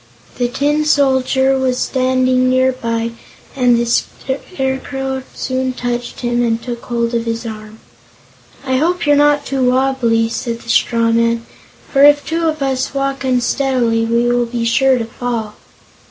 The Tin Soldier was standing near by and the Scarecrow soon touched him and took hold of his arm. "I hope you're not wobbly," said the straw man, "for if two of us walk unsteadily we will be sure to fall."